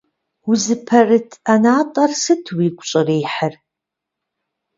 Узыпэрыт ӀэнатӀэр сыт уигу щӀрихьыр?